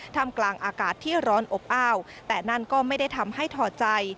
ทำกลางอากาศที่ร้อนอบอ้าวแต่นั่นก็ไม่ได้ทำให้ถอดใจ